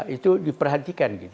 itu diperhatikan gitu